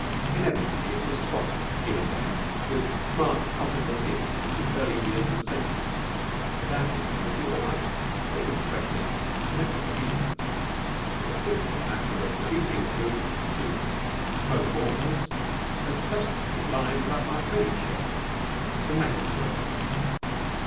Inevitably, it was spotted here and there with smart topical hits of the early years of the century; but that, they said, would be all right. They could freshen it up in a couple of evenings; it was simply a matter of deleting allusions to pro Boers and substituting lines about Marconi shares and mangel wurzels.